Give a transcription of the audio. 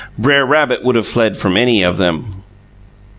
Br'er Rabbit would have fled from any of them.